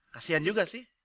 kasian juga sih